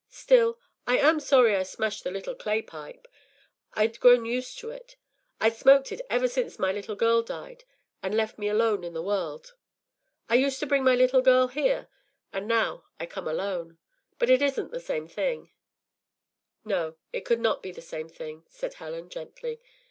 Still, I am sorry I smashed the little clay pipe. I’d grown used to it. I’d smoked it ever since my little girl died and left me alone in the world. I used to bring my little girl here, and now I come alone. But it isn’t the same thing.” “No, it could not be the same thing,” said Helen, gently.